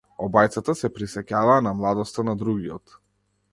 Обајцата се присеќаваа на младоста на другиот.